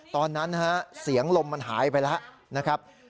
ตอนนั้นนะฮะเสียงลมมันหายไปแล้วนะครับ